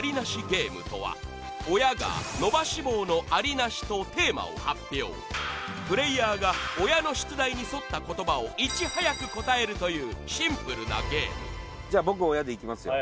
ゲームとは親が伸ばし棒の「あり」「なし」とテーマを発表プレイヤーが親の出題に沿った言葉をいち早く答えるというシンプルなゲームじゃ僕親でいきますよ